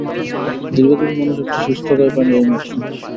দীর্ঘজীবী মানুষ একটি সুস্থকায় প্রাণী, এইমাত্র।